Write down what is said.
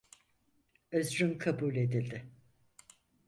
Özrün kabul edildi.